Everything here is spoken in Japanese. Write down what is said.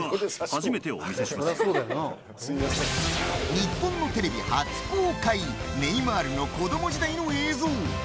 日本のテレビ初公開ネイマールの子供時代の映像。